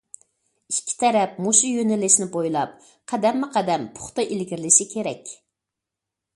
ئىككى تەرەپ مۇشۇ يۆنىلىشنى بويلاپ قەدەممۇقەدەم پۇختا ئىلگىرىلىشى كېرەك.